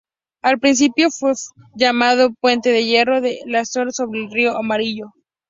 Al principio fue llamado "Puente de Hierro de Lanzhou sobre el Río Amarillo".